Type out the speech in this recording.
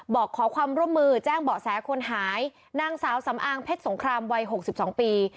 บอกขอความร่วมมือแจ้งเบาะแสคนหายนางสาวสำอางเพชรสงครามวัย๖๒ปี